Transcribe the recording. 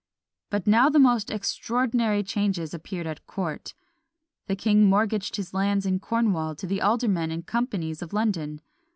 But now the most extraordinary changes appeared at court. The king mortgaged his lands in Cornwall to the aldermen and companies of London.